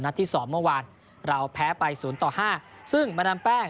ที่สองเมื่อวานเราแพ้ไปศูนย์ต่อห้าซึ่งมาดามแป้ง